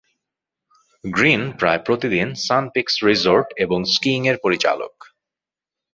Green প্রায় প্রতিদিন Sun Peaks resort এবং স্কিইং এর পরিচালক।